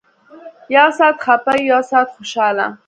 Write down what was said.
يو سات خپه يو سات خوشاله.